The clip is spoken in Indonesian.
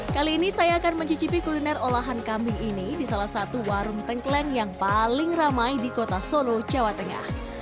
kali ini saya akan mencicipi kuliner olahan kambing ini di salah satu warung tengkleng yang paling ramai di kota solo jawa tengah